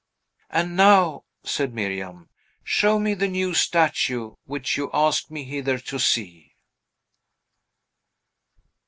"And now," said Miriam, "show me the new statue which you asked me hither to see."